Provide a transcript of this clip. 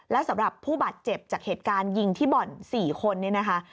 แล้วสำหรับผู้บาดเจ็บจากเหตุการณ์ยิงที่บ่อน๔คนเนี่ยนะคะ